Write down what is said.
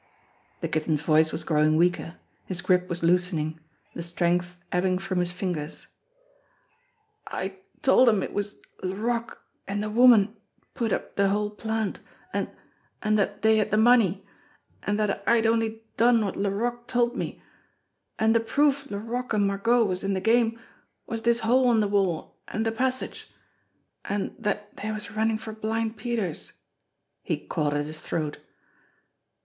The Kitten's voice was growing weaker; his grip was loosening, the strength ebbing from his fingers. "I told 'em it was Laroque an' de woman put up de whole plant, an' an' dat dey had de money, an' dat I'd only done wot Laroque told me an' de proof Laroque an' M argot was in de game was dis hole in de wall an' de passage an' dat dey was runnin' for Blind Peter's." He caught at his throat.